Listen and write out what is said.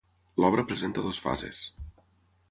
L'obra presenta dues fases.